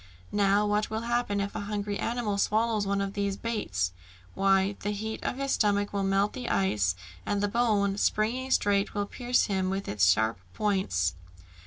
Now, what will happen if a hungry animal swallows one of these baits? Why, the heat of his stomach will melt the ice, and the bone, springing straight, will pierce him with its sharp points."